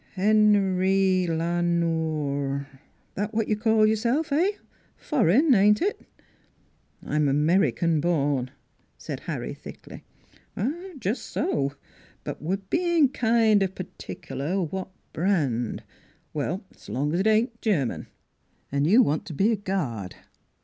" Hen rye La Nore that what you call your self eh? Foreign, ain't it?" " I'm American born," said Harry thickly. " Jus' so. But we're bein' kind of particular what brand. .,.. Well, s' long as it ain't Ger man. ... An' you want to be a guard?